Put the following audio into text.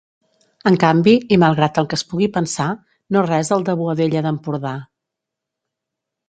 En canvi, i malgrat el que es pugui pensar, no res al de Boadella d'Empordà.